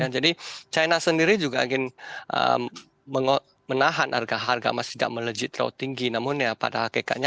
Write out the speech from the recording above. jadi china sendiri juga akan menahan harga emas tidak melejit terlalu tinggi namun ya pada hakikatnya